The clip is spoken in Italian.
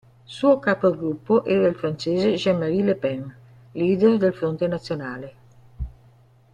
Suo capogruppo era il francese Jean-Marie Le Pen, leader del Fronte Nazionale.